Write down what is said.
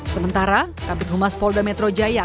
sementara kabit humas polda metro jaya